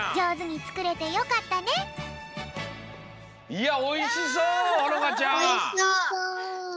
いやおいしそうほのかちゃん！